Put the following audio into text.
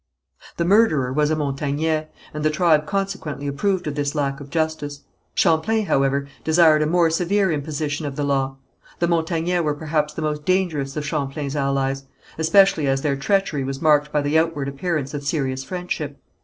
The murderer was a Montagnais, and the tribe consequently approved of this lack of justice. Champlain, however, desired a more severe imposition of the law. The Montagnais were perhaps the most dangerous of Champlain's allies, especially as their treachery was marked by the outward appearance of serious friendship.